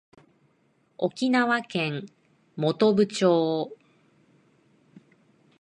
沖縄県本部町